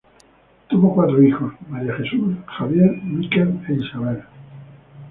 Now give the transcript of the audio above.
Tuvo cuatro hijos: María Jesús, Xabier, Mikel e Isabel.